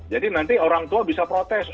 nanti orang tua bisa protes